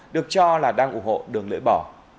được cho là đang ủng hộ đường lưỡi bỏ